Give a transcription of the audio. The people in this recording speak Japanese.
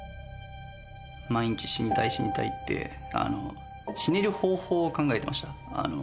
毎日死にたい、死にたいって、死ねる方法を考えていました。